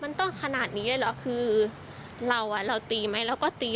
มันต้องขนาดนี้เลยเหรอคือเราอ่ะเราตีไหมเราก็ตี